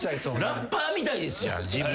ラッパーみたいですやん。